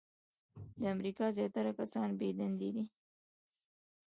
د امریکا زیاتره کسان بې دندې دي .